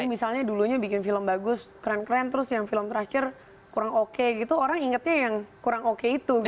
jadi misalnya dulunya bikin film bagus keren keren terus yang film terakhir kurang oke gitu orang ingetnya yang kurang oke itu